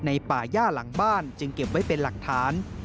ป่าย่าหลังบ้านจึงเก็บไว้เป็นหลักฐาน